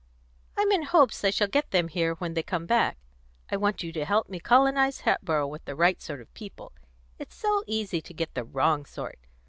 I'm in hopes I shall get them here when they come back. I want you to help me colonise Hatboro' with the right sort of people: it's so easy to get the wrong sort!